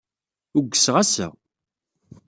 Ugseɣ ass-a.